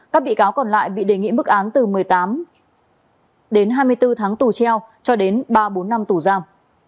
các bị cáo còn lại bị đề nghị bức án từ một mươi tám hai mươi bốn tháng tù treo cho đến ba bốn năm tù giao